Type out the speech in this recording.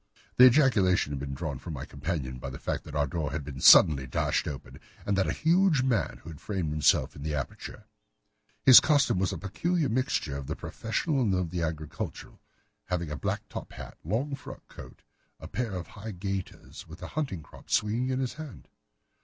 The ejaculation had been drawn from my companion by the fact that our door had been suddenly dashed open, and that a huge man had framed himself in the aperture. His costume was a peculiar mixture of the professional and of the agricultural, having a black top hat, a long frock coat, and a pair of high gaiters, with a hunting crop swinging in his hand.